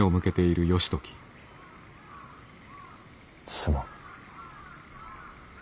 すまん。